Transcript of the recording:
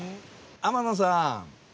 天野さん。